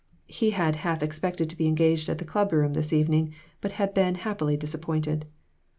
He had half expected to be engaged at the club room this evening, but had been happily disappointed.